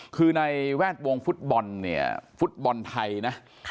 คือในแวดวงฟุตบอลเนี่ยฟุตบอลไทยนะ